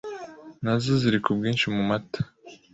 nazo ziri ku bwinshi mu mata,